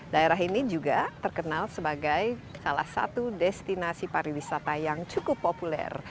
daerah ini juga terkenal sebagai salah satu destinasi pariwisata yang cukup populer